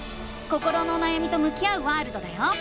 心のおなやみと向き合うワールドだよ！